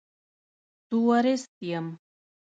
تورېست یم.